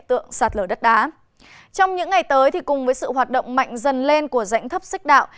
trong những ngày tới cùng với sự hoạt động mạnh dần lên của rãnh thấp xích đạo